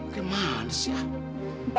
gimana sih pak